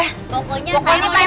pokoknya saya mau jahit